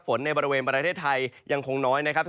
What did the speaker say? ในบริเวณประเทศไทยยังคงน้อยนะครับ